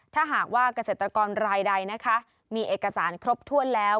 ถ้าหากว่าเกษตรกรรายใดนะคะมีเอกสารครบถ้วนแล้ว